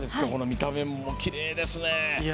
見た目もきれいですね。